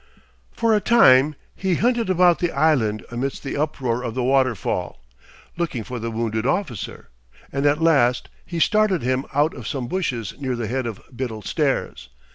For a time he hunted about the island amidst the uproar of the waterfall, looking for the wounded officer, and at last he started him out of some bushes near the head of Biddle Stairs.